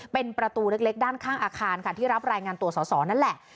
เป็นประตูเล็กด้านข้างอาคารค่ะที่รับรายงานตัวสอสอนั่นแหละ